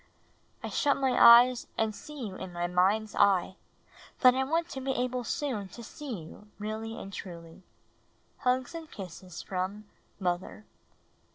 I shut my eyes and see you in my mind^s eye, hut I want to he ahle soon to see you really and truly. Hugs and kisses from Mother.